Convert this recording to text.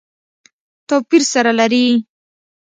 توپیر سره لري.